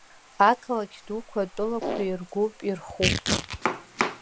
Ақалақь дуқәа атәылақәа иргәуп, ирхуп.